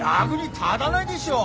立だないでしょ。